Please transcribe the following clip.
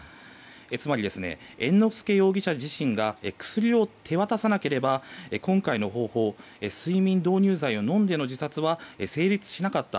つまり、猿之助容疑者自身が薬を手渡さなければ今回の方法睡眠導入剤を飲んでの自殺は成立しなかった。